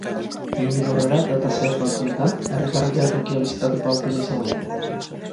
Hemendik aurrera, data zehatz batzuetan, herritarrek behatokia bisitateko aukera izango dute.